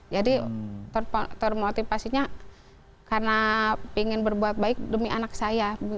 jadi termotivasinya karena ingin berbuat baik demi anak saya